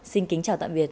xin kính chào tạm biệt